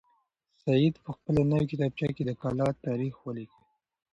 سعید په خپله نوې کتابچه کې د کلا تاریخ ولیکه.